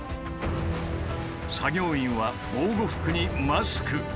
作業員は防護服にマスク。